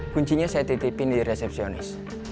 kuncinya saya titipin di resepsionis